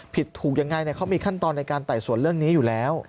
ผิดถูกยังไงเขามีขั้นตอนในการไต่สวนเรื่องนี้อยู่แล้ว